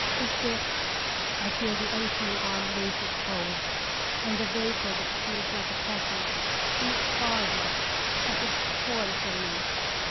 Is this I feel the unseen arm loose its hold, and the vapor that seems like a presence shoots far above, as if torn from me.